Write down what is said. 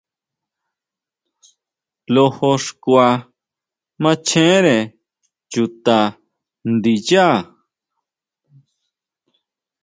Lojo xkua machere chuta ndiyá.